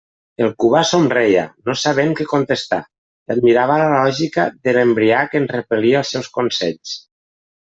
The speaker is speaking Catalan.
El Cubà somreia, no sabent què contestar, i admirava la lògica de l'embriac en repel·lir els seus consells.